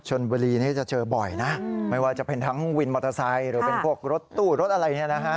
ชนบุรีนี่จะเจอบ่อยนะไม่ว่าจะเป็นทั้งวินมอเตอร์ไซค์หรือเป็นพวกรถตู้รถอะไรเนี่ยนะฮะ